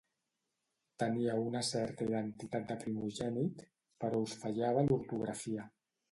Teníeu una certa identitat de primogènit, però us fallava l'ortografia.